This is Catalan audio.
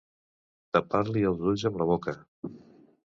Tapar-li els ulls amb la boca.